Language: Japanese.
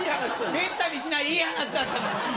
めったにしないいい話だったのに！